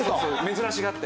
珍しがって。